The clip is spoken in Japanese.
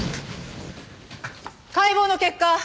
解剖の結果